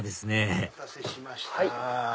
お待たせしました。